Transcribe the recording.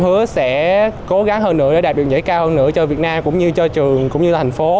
hứa sẽ cố gắng hơn nữa để đạt được giải cao hơn nữa cho việt nam cũng như cho trường cũng như là thành phố